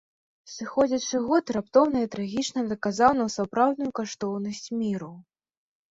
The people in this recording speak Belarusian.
Сыходзячы год раптоўна і трагічна даказаў нам сапраўдную каштоўнасць міру.